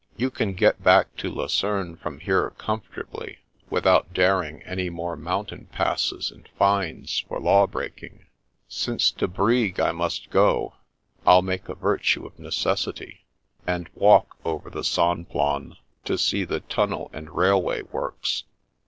You can get back to Lucerne from here comfortably, without daring any more mountain passes and fines for law breaking. Since to Brig I must go, I'll make a virtue of necessity, and walk over the Simplon, to see the tunnel and railway works."